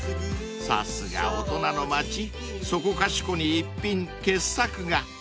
［さすが大人の街そこかしこに逸品傑作が］